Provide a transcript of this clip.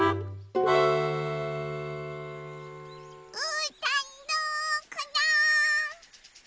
うーたんどこだ？